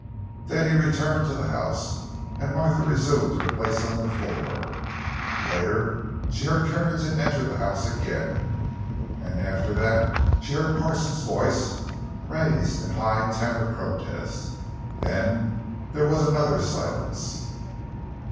Then he returned to the house, and Martha resumed her place on the floor. Later, she heard Carrington enter the house again, and after that she heard Parsons' voice, raised in high terrored protest. Then there was another silence.